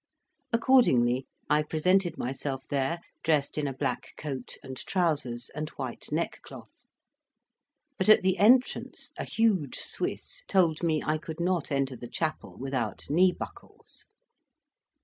Accordingly I presented myself there dressed in a black coat and trousers and white neckcloth; but at the entrance, a huge Swiss told me I could not enter the chapel without knee buckles.